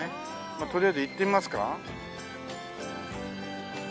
まあとりあえず行ってみますか。